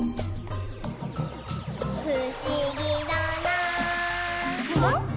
「ふしぎだなぁ」